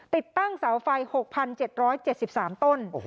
ติดตั้งเสาไฟ๖๗๗๓ต้น